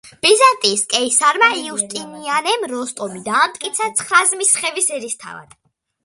ბიზანტიის კეისარმა იუსტინიანემ როსტომი დაამტკიცა ცხრაზმისხევის ერისთავად.